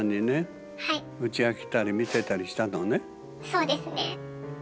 そうですね。